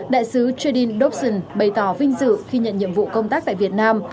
đại sứ triden dobson bày tỏ vinh dự khi nhận nhiệm vụ công tác tại việt nam